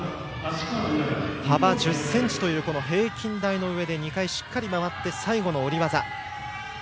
幅１０ｃｍという平均台の上で２回しっかり回って最後の下り技。